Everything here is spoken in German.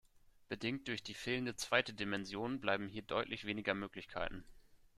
Bedingt durch die fehlende zweite Dimension bleiben hier deutlich weniger Möglichkeiten.